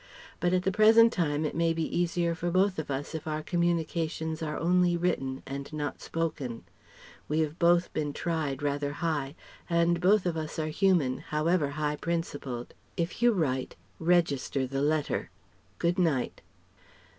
But at the present time, it may be easier for both of us if our communications are only written and not spoken. We have both been tried rather high; and both of us are human, however high principled. If you write, register the letter.... Good night..."